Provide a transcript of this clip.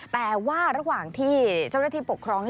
แต่ว่าระหว่างที่เจ้าหน้าที่ปกครอง